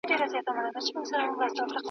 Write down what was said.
موږ بايد د فکري بېسوادۍ په وړاندې ودريږو.